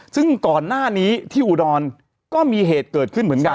ซึ่งก่อนหน้านี้ที่อุดรก็มีเหตุเกิดขึ้นเหมือนกัน